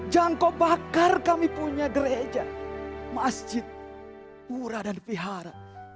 jangkau bakar kami punya gereja masjid pura dan vihara